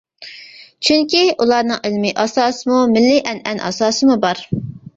چۈنكى، ئۇلارنىڭ ئىلمىي ئاساسىمۇ، مىللىي ئەنئەنە ئاساسىمۇ بار.